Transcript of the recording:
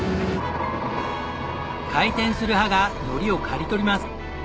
回転する刃が海苔を刈り取ります。